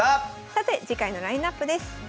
さて次回のラインナップです。